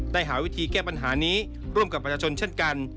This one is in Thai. หาวิธีแก้ปัญหานี้ร่วมกับประชาชนเช่นกัน